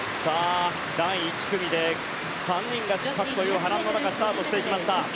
第１組で３人が失格という波乱の中スタートしていきました。